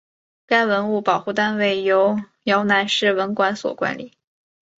该文物保护单位由洮南市文管所管理。